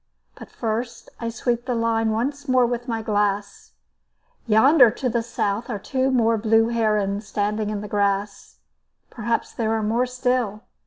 But first I sweep the line once more with my glass. Yonder to the south are two more blue herons standing in the grass. Perhaps there are more still.